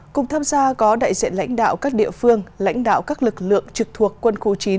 cùng tham gia có đại diện lãnh đạo các địa phương lãnh đạo các lực lượng trực thuộc quân khu chín